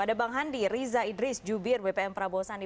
ada bang handi riza idris jubir bpm prabowo sandi